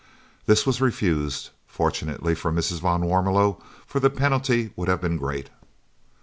This was refused, fortunately for Mrs. van Warmelo, for the penalty would have been great.